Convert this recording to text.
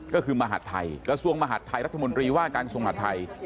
ก็คือมหาดไทยกระทรวงมหาดไทยรัฐมนตรีว่าการทรงหาดไทย